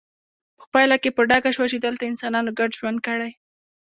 په پایله کې په ډاګه شوه چې دلته انسانانو ګډ ژوند کړی